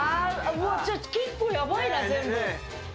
じゃあ結構、やばいな、全部。